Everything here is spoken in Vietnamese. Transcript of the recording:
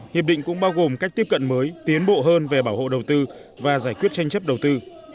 hiệp định cũng bao gồm cách tiếp cận mới tiến bộ hơn về bảo hộ đầu tư và giải quyết tranh chấp đầu tư